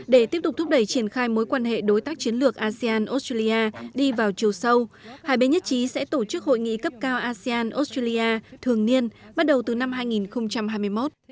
hai nghìn hai mươi hai nghìn hai mươi bốn để tiếp tục thúc đẩy triển khai mối quan hệ đối tác chiến lược asean australia đi vào chiều sâu hải bế nhất trí sẽ tổ chức hội nghị cấp cao asean australia thường niên bắt đầu từ năm hai nghìn hai mươi một